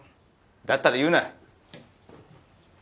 だったら言うな。